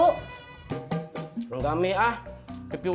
saya tinggal di rumah sop lagi aku